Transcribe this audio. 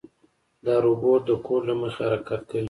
دا روبوټ د کوډ له مخې حرکت کوي.